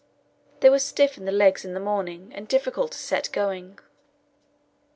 They were stiff in the legs in the morning and difficult to set going.